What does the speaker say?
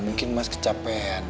mungkin mas kecapean